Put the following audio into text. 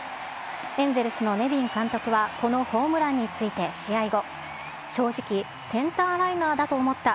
エンゼルスのネビン監督はこのホームランについて試合後、正直、センターライナーだと思った。